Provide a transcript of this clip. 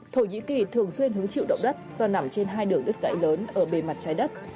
thổ nhĩ kỳ thường xuyên hứng chịu động đất do nằm trên hai đường đất gãy lớn ở bề mặt trái đất